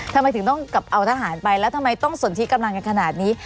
ทำไมถึงต้องกลับเอาทหารไปแล้วทำไมต้องสนทิกำลังกันขนาดนี้